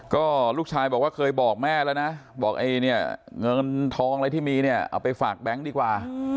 ก็ลูกชายบอกว่าเคยบอกแม่แล้วนะบอกไอ้เนี่ยเงินทองอะไรที่มีเนี่ยเอาไปฝากแบงค์ดีกว่า